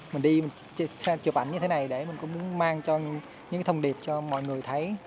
mình đi chụp ảnh như thế này để mình cũng muốn mang cho những cái thông điệp cho mọi người thấy